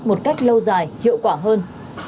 một cách lâu dài hiệu quả hơn